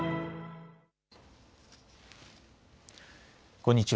こんにちは。